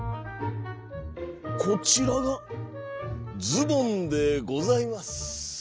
「こちらがズボンでございます」。